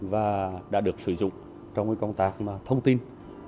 và đã được sử dụng trong công tác thông tin